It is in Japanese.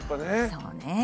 そうね。